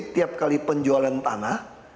tiap kali penjualan tanah